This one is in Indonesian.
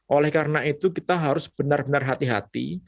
oleh karena itu kita harus benar benar hati hati